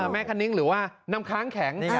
คณิ้งหรือว่าน้ำค้างแข็ง